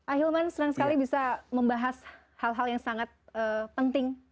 ahilman senang sekali bisa membahas hal hal yang sangat penting